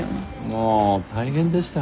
もう大変でした。